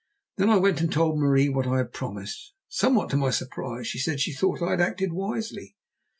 Then I went and told Marie what I had promised. Somewhat to my surprise she said that she thought I had acted wisely.